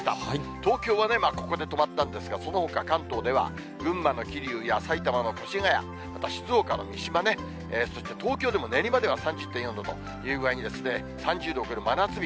東京はね、ここで止まったんですが、そのほか関東では、群馬の桐生や埼玉の越谷、また静岡の三島ね、そして東京でも練馬では３０．４度という具合に、３０度を超える真夏日。